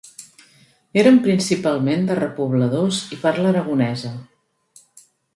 Eren, principalment, de repobladors i parla aragonesa.